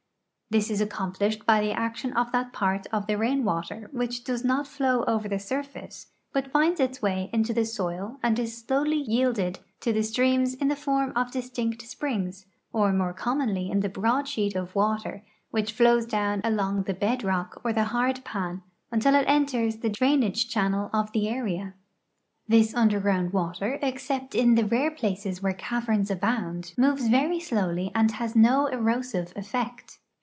This is accom plished by the action of that part of the rain water which does not flow over the surface but finds its wa\'^ into the .soil and is slowly yielded to the streams in the form of distinct springs, or more commonl}" in the broad sheet of water which flows down along the bed rock or the hard pan until it enters the drain THE ECONOMIC ASPECTS OF SOIL EROSION 371 age channel of the area. This underground water, except in the rare places where caverns abound, moves very slowly and lias no erosive effect.